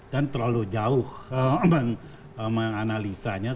dan terlalu jauh menganalisanya